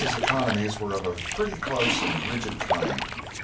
's economies were of a pretty close and rigid kind.